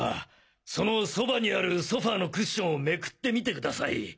その側にあるソファのクッションをめくってみてください。